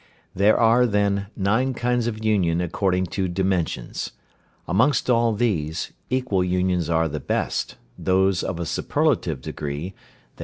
There are then, nine kinds of union according to dimensions. Amongst all these, equal unions are the best, those of a superlative degree, _i.